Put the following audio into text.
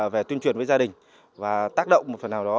về tuyên truyền với gia đình và tác động một phần nào đó